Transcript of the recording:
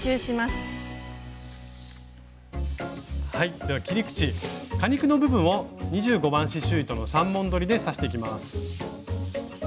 では切り口果肉の部分を２５番刺しゅう糸の３本どりで刺していきます。